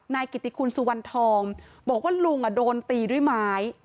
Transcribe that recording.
กิติคุณสุวรรณทองบอกว่าลุงโดนตีด้วยไม้